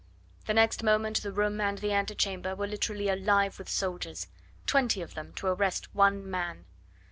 The next moment the room and the antechamber were literally alive with soldiers twenty of them to arrest one man.